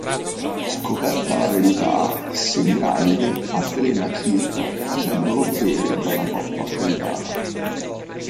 Scoperta la verità, Semiramide avvelena Kir facendolo bere da una coppa avvelenata.